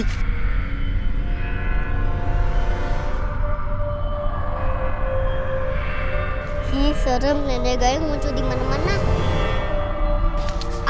ih serem nenek gayung muncul dimana mana